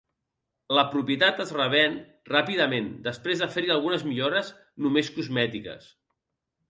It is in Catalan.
La propietat es revèn ràpidament després de fer-hi algunes millores, només cosmètiques.